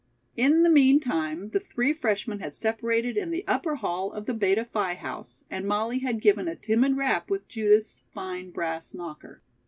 In the meantime, the three freshmen had separated in the upper hall of the Beta Phi House, and Molly had given a timid rap with Judith's fine brass knocker.